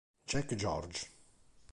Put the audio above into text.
Jack George